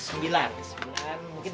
mungkin di sebelah sana pak